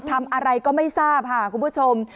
ทำอะไรก็ไม่ทราบค่ะคุณผู้ชม